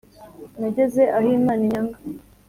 nageze aho imana inyanga